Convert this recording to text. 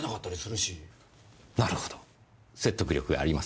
なるほど説得力がありますね。